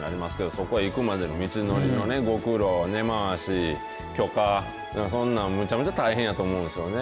そこへいくまでの道のりのご苦労を知りそんなんむちゃむちゃ大変やと思いますよね。